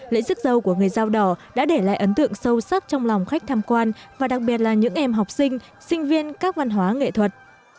lễ rước dâu của người dao đỏ đã để lại ấn tượng sâu sắc trong lòng khách tham quan và đặc biệt là những em học sinh sinh viên các văn hóa nghệ thuật